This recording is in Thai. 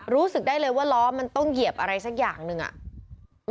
รู้สึกได้เลยว่าล้อมันต้องเหยียบอะไรสักอย่างหนึ่งอ่ะ